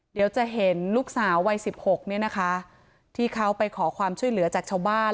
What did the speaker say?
เดี๋ยวจะเห็นลูกสาววัย๑๖เนี่ยนะคะที่เขาไปขอความช่วยเหลือจากชาวบ้าน